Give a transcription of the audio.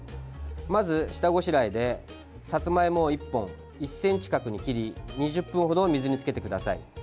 まず下ごしらえでさつまいもを１本１ｃｍ角に切り２０分程、水につけてください。